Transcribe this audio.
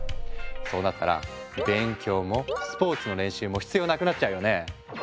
そうなったら勉強もスポーツの練習も必要なくなっちゃうよね。